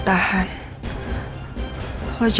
tahan elsa tahan